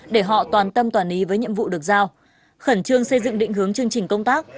để họ toàn tâm toàn ý với nhiệm vụ được giao khẩn trương xây dựng định hướng chương trình công tác